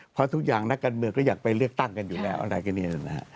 เพราะทุกอย่างนักการเมืองก็อยากไปเลือกตั้งกันอยู่แล้วอะไรกันเนี่ยนะฮะ